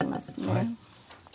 はい。